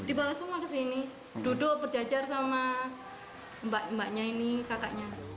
dibawa semua ke sini duduk berjajar sama mbaknya ini kakaknya